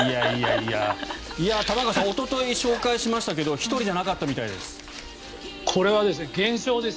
玉川さんおととい紹介しましたけど１人じゃなかったみたいです。